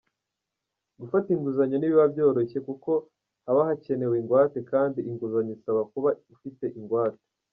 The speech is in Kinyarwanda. Gufata inguzanyo ntibiba byoroshye kuko haba hakenewe ingwate kandi inguzanyo isaba kuba ufite ingwate".